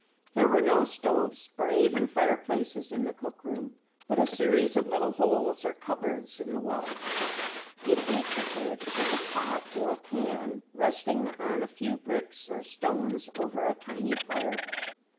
There were no stoves or even fireplaces in the cook room, but a series of little holes or cupboards in the wall, in each of which was a pot or pan resting on a few bricks or stones over a tiny fire.